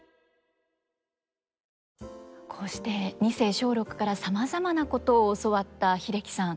こうして二世松緑からさまざまなことを教わった英樹さん。